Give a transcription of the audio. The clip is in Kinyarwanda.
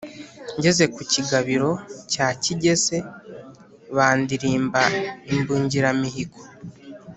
Ngeze ku kigabiro cya Kigese bandirimba Imbungiramihigo.